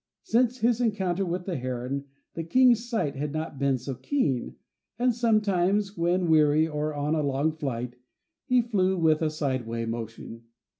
Since his encounter with the heron, the King's sight had not been so keen, and sometimes, when weary, or on a long flight, he flew with sideway motion.